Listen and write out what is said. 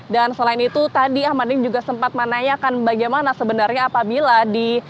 dan selain itu tadi ahmad dhani juga sempat menanyakan bagaimana sebenarnya apabila di